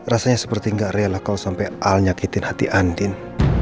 rasanya seperti nggak rela kalau sampai al nyakitin hati andin